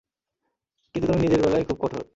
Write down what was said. কিন্তু তুমি নিজের বেলায় খুব কঠোর।